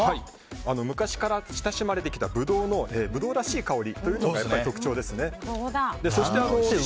昔から親しまれてきたブドウのブドウらしい香りが特徴ですね。